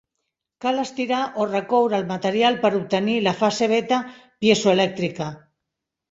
Cal estirar o recoure el material per obtenir la fase beta piezoelèctrica.